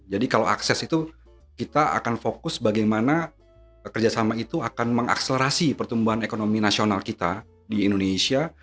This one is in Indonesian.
jadi kalau akses itu kita akan fokus bagaimana kerjasama itu akan mengakselerasi pertumbuhan ekonomi nasional kita di indonesia